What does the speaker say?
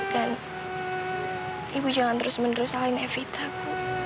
dan ibu jangan terus menerus salahin evita bu